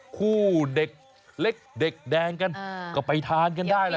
คู่เด็กเล็กเด็กแดงกันก็ไปทานกันได้ล่ะ